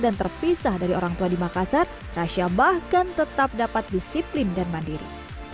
dan terpisah dari orang tua di makassar rasyah bahkan tetap dapat disiplin dan mandiri